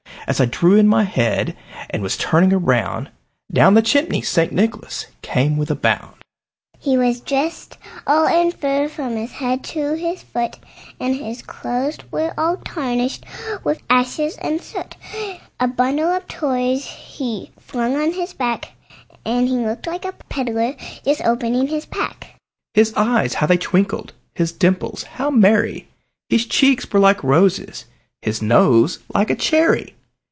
As I drew in my head, and was turning around, Down the chimney St. Nicholas came with a bound. He was dressed all in fur, from his head to his foot, And his clothes were all tarnished with ashes and soot; A bundle of Toys he had flung on his back, And he looked like a peddler just opening his pack. His eyes how they twinkled! his dimples how merry! His cheeks were like roses, his nose like a cherry!